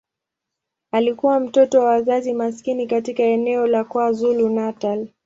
Alikuwa mtoto wa wazazi maskini katika eneo la KwaZulu-Natal.